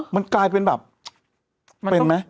มั้นกลายเป็นแบบ